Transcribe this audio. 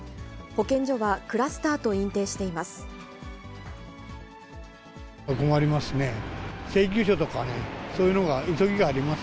保健所はクラスターと認定しています。